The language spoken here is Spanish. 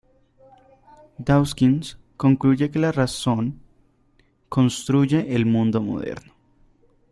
Dawkins concluye que la razón "construye el mundo moderno.